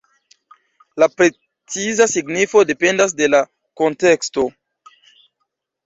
La preciza signifo dependas de la kunteksto.